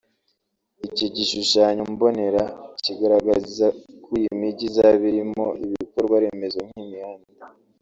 Iki gishushanyo mbonera kigaragaza ko iyi mijyi izaba irimo ibikorwa remezo nk’imihanda